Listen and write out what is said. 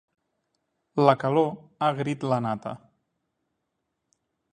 La calor ha agrit la nata.